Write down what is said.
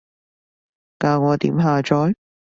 教我點下載？